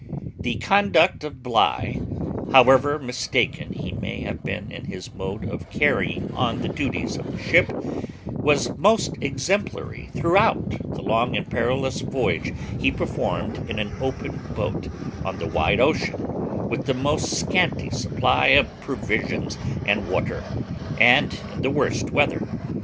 The conduct of Bligh, however mistaken he may have been in his mode of carrying on the duties of the ship, was most exemplary throughout the long and perilous voyage he performed in an open boat, on the wide ocean, with the most scanty supply of provisions and water, and in the worst weather.